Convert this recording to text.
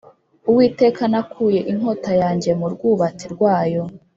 Uwiteka nakuye inkota yanjye mu rwubati rwayo